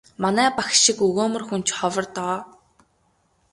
Манай багш шиг өгөөмөр хүн ч ховор доо.